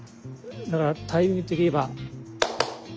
だからタイミング的にいえば。